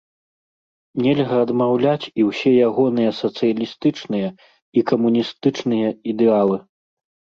Нельга адмаўляць і ўсе ягоныя сацыялістычныя і камуністычныя ідэалы.